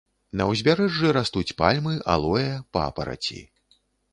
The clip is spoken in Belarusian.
На ўзбярэжжы растуць пальмы, алоэ, папараці.